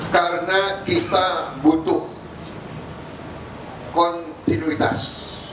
karena kita butuh kontinuitas